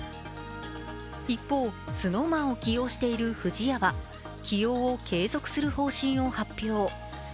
一方、ＳｎｏｗＭａｎを起用している不二家は起用を継続する方針を発表。